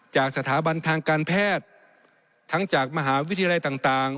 จากสถาบันทางการแพทย์ทั้งจากมหาวิทยาลัยต่าง